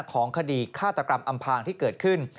ของคดีฆาตกรรมอำพางที่เกิดขึ้น